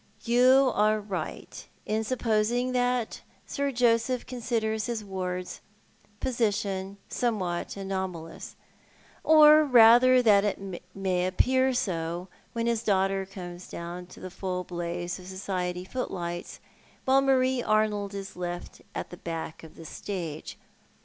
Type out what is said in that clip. " You are right in supposing that Sir Joseph considers his ward's position somewhat anomalous— or rather that it may appear so when his daughter comes down to the full blaze of the society footlights, while Marie Arnold is left at the back of the stage.